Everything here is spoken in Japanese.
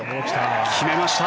決めました。